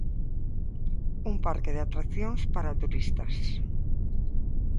Un parque de atraccións para turistas.